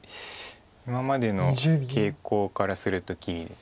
今までの傾向からすると切りです。